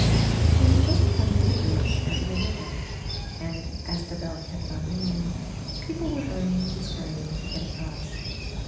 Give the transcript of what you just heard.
They had just come to the bridge over the river, and, as the bell kept on ringing, people were hurry ing and scurrying to get across.